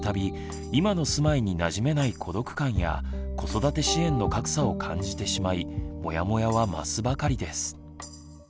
今の住まいになじめない孤独感や子育て支援の格差を感じてしまいモヤモヤは増すばかりです。